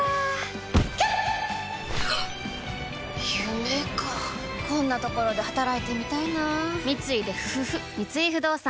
夢かこんなところで働いてみたいな三井不動産